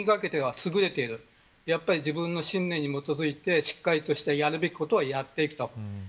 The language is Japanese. てんびんにかけてはすぐれているやっぱり自分の信念にもとづいてしっかりとやるべきことはやっていく。